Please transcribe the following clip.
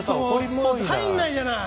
もう入んないじゃない。